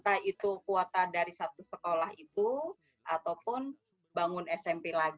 apakah itu kuota dari satu sekolah itu ataupun bangun smp lagi